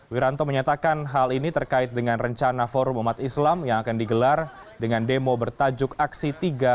wiranto menyatakan hal ini terkait dengan rencana forum umat islam yang akan digelar dengan demo bertajuk aksi tiga